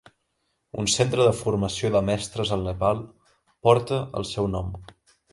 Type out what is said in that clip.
Un centre de formació de mestres al Nepal porta el seu nom.